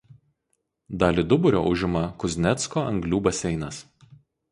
Dalį duburio užima Kuznecko anglių baseinas.